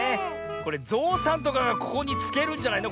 これぞうさんとかがここにつけるんじゃないの？